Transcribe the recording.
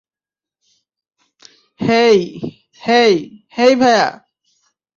হেই, hey, hey ভায়া!